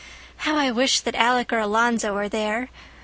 How I wished that Alec or Alonzo were there.